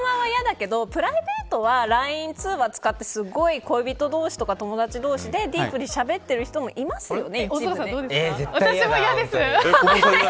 でも、絶対若い人も仕事の電話は嫌だけどプライベートはＬＩＮＥ通話を使って恋人同士とか友達同士でディープにしゃべっている人もいますよね。